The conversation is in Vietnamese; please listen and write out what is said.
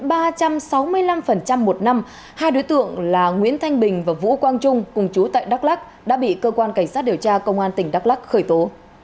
kết quả lãi suất đến ba trăm sáu mươi năm một năm hai đối tượng là nguyễn thanh bình và vũ quang trung cùng chú tại đắk lắc đã bị cơ quan cảnh sát điều tra công an tỉnh đắk lắc khởi tố